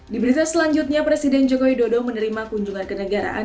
di berita selanjutnya presiden joko widodo menerima kunjungan kenegaraan